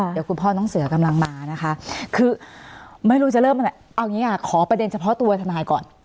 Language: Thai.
เดี๋ยวคุณพ่อน้องเสือกำลังมาคือสิ่งนี้ขอประเด็นเฉพาะตัวทำลายก่อน